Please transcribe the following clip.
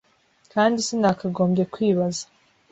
kandi sinakagombye kwibaza. ”